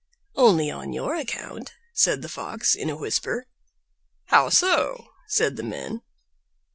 "Only on your account," said the Fox, in a whisper. "How so?" said the men.